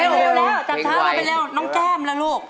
เพลงเร็วแล้วจับทางมาเป็นเร็วน้องแจ้มละลูก